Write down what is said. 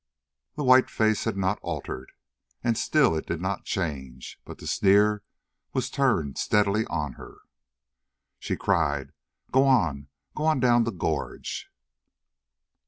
The white face had not altered, and still it did not change, but the sneer was turned steadily on her. She cried: "Go on! Go on down the gorge!"